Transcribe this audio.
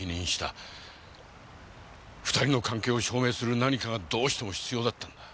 ２人の関係を証明する何かがどうしても必要だったんだ。